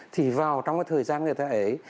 thì vào trong cái thời gian người ta ấy